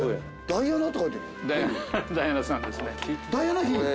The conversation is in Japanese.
ダイアナ妃？